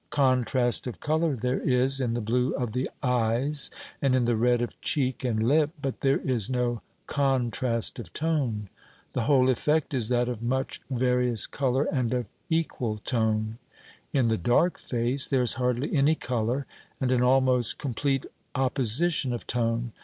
Contrast of colour there is, in the blue of the eyes, and in the red of cheek and lip, but there is no contrast of tone. The whole effect is that of much various colour and of equal tone. In the dark face there is hardly any colour and an almost complete opposition of tone.